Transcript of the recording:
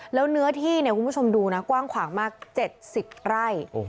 แล้วเนื้อที่เนี่ยคุณผู้ชมดูนะกว้างขวางมาก๗๐ไร่